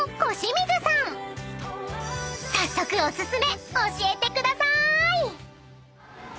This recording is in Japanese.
［早速お薦め教えてくださーい］